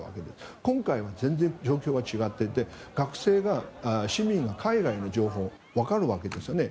今回は全然状況が違っていて学生が市民が海外の情報をわかるわけですよね。